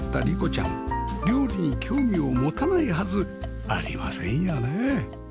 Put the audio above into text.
料理に興味を持たないはずありませんよね